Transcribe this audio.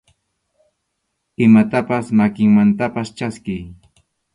Imatapas makinmantapas chaskiy.